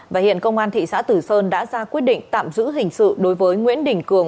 và hiện công an thị xã tử sơn đã ra quyết định tạm giữ hình sự đối với nguyễn đình cường